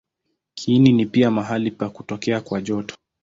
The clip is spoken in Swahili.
Kiini ni pia mahali pa kutokea kwa joto.